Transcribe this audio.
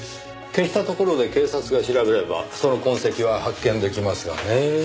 消したところで警察が調べればその痕跡は発見出来ますがねぇ。